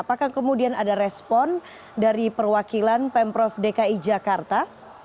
apakah kemudian ada respon dari perwakilan pemprov dki jakarta